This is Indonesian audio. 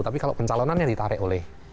tapi kalau pencalonannya ditarik oleh